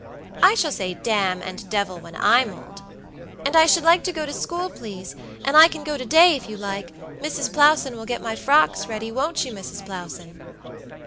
I shall say damn and devil when I'm old; and I should like to go to school, please, and I can go to day, if you like; Mrs. Plowson will get my frocks ready, won't you, Mrs. Plowson?"